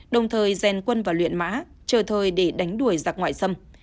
đồng thời rèn quân và luyện mã chờ thời để đánh đuổi giặc ngoại xâm